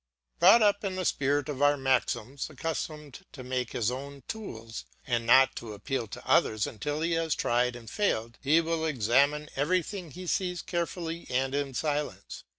Brought up in the spirit of our maxims, accustomed to make his own tools and not to appeal to others until he has tried and failed, he will examine everything he sees carefully and in silence.